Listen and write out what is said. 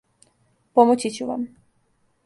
Помоћи ћу вам.